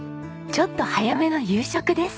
ちょっと早めの夕食です。